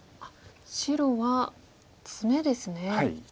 白はツメですね。